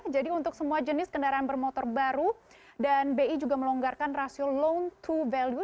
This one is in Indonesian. jadi untuk semua jenis kendaraan bermotor baru dan bi juga melonggarkan rasio loan to value